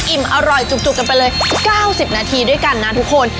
อิ่มอร่อยจุกกันไปเลย๙๐นาทีด้วยกันนะทุกคน